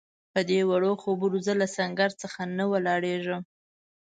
پدې وړو خبرو زه له سنګر څخه نه ولاړېږم.